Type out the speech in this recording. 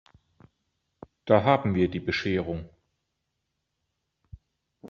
Da haben wir die Bescherung!